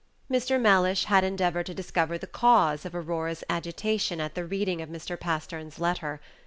Mr. Mellish had endeavored to discover the cause of Aurora's agitation at the reading of Mr. Pastern's letter.